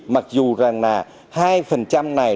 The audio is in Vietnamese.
mặc dù rằng là hai này